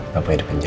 bapaknya di penjara